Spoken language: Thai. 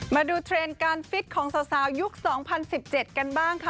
มาดูเทรนด์การฟิตของสาวยุค๒๐๑๗กันบ้างค่ะ